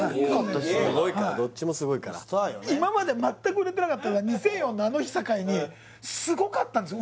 どっちもすごいから今まで全く売れてなかったのが２００４のあの日境にすごかったんです